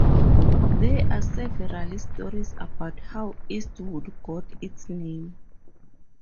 There are several stories about how Estherwood got its name.